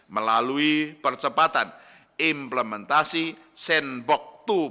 melalui percepatan implementasi sandbox dua